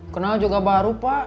kenal juga baru pak